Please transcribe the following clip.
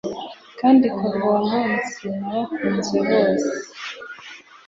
Kandi kuva uwo munsi nabakunze bose